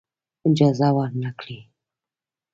اجازه ورنه کړی.